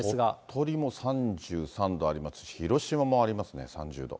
鳥取も３３度あります、広島もありますね、３０度。